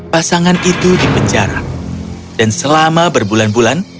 pasangan itu di penjara dan selama berbulan bulan